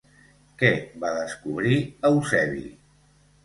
Què va descobrir Eusebi?